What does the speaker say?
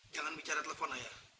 jangan bicara telepon ayah